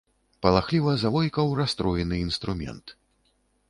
Палахліва завойкаў расстроены інструмент.